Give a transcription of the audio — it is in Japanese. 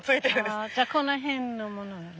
ああじゃあこの辺のものよね。